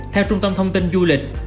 theo trung tâm thông tin du lịch